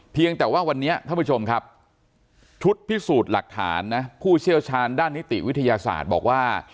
เพียงแต่ว่าวันนี้ท่านผู้ชมครับชุดพิสูจน์หลักฐานนะผู้เชี่ยวชาญด้านนิติวิทยาศาสตร์บอกว่า